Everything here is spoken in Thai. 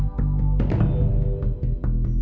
เวลาที่สุดท้าย